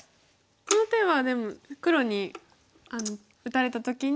この手はでも黒に打たれた時に。